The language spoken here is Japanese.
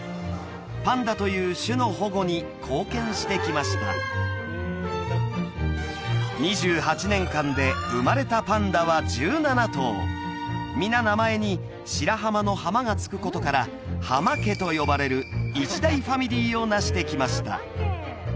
パンダという種の保護に貢献してきました２８年間で生まれたパンダは１７頭皆名前に白浜の「浜」がつくことから「浜家」と呼ばれる一大ファミリーをなしてきました